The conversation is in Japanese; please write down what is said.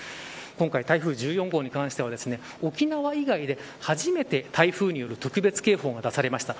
今回、台風１４号に関しては沖縄以外で初めて台風による特別警報が出されました。